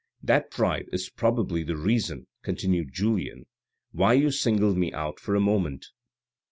" That pride is probably the reason," continued Julien, " why you singled me out for a moment.